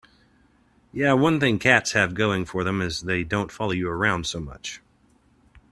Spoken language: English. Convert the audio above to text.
Yeah, one thing cats have going for them is that they don't follow you around so much.